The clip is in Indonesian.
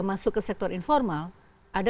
masuk ke sektor informal ada